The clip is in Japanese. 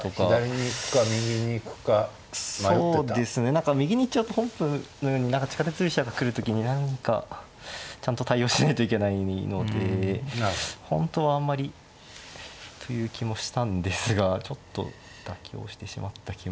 何か右に行っちゃうと本譜のように地下鉄飛車が来る時に何かちゃんと対応しないといけないので本当はあんまりという気もしたんですがちょっと妥協してしまった気も。